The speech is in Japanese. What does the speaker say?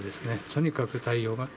とにかく対応が。